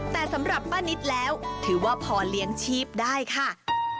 แต่สำหรับป้านิตแล้วถือว่าพอเลี้ยงชีพได้ค่ะ